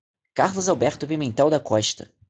Carlos Alberto Pimentel da Costa